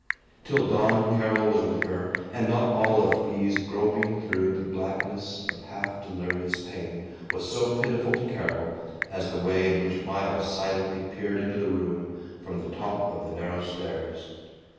Till dawn Carol was with her, and not all of Bea's groping through the blackness of half delirious pain was so pitiful to Carol as the way in which Miles silently peered into the room from the top of the narrow stairs.